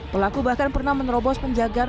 pelaku bahkan pernah menerobos penjagar